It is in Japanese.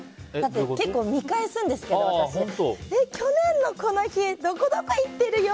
結構、見返すんですけど去年のこの日どこどこ行ってるよ！